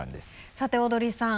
さてオードリーさん。